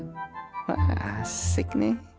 wah asik nih